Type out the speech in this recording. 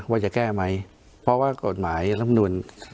ว่าจะแก้ไหมเพราะว่ากฎหมายรับนูล